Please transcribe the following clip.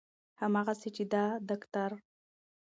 همغسې چې د داکتر